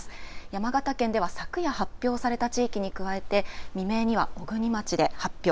山形県では昨夜、発表された地域に加えて未明には小国町で発表